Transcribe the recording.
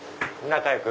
仲良く。